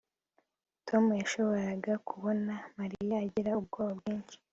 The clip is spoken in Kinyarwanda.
tom yashoboraga kubona mariya agira ubwoba bwinshi